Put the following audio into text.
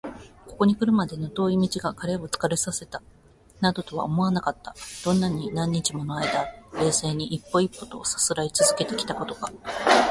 ここにくるまでの遠い道が彼を疲れさせたなどとは思われなかった。どんなに何日ものあいだ、冷静に一歩一歩とさすらいつづけてきたことか！